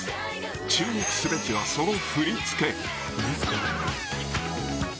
注目すべきはその振り付け。